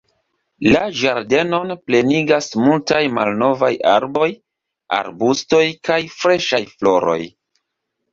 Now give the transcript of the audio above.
La ĝardenon plenigas multaj malnovaj arboj, arbustoj kaj freŝaj floroj.